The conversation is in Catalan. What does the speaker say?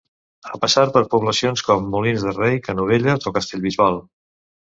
Ha passat per poblacions com Molins de Rei, Canovelles o Castellbisbal.